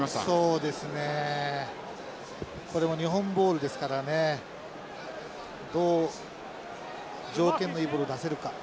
そうですねこれも日本ボールですからねどう条件のいいボールを出せるか。